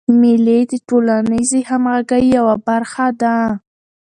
مېلې د ټولنیزي همږغۍ یوه برخه ده.